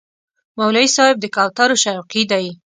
مولوي صاحب د کوترو شوقي دی.